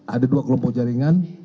ada dua kelompok jaringan